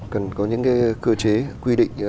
cần có những cái cơ chế quy định